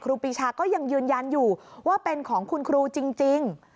ครูปีชาก็ยังยืนยันอยู่ว่าเป็นของคุณครูจริง